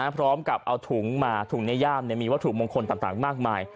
พร้อมกับเอาถุงมาถุงในย่ามมีวัตถุมงคลต่างมากมาย